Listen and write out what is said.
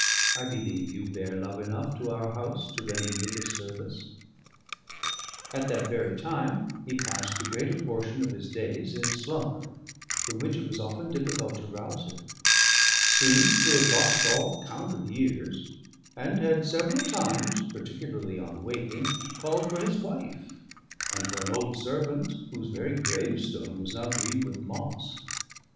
I believe you bear love enough to our house to render me this service." At that very time he passed the greater portion of his days in slumber, from which it was often difficult to rouse him; seemed to have lost all count of years, and had several times (particularly on waking) called for his wife and for an old servant whose very gravestone was now green with moss.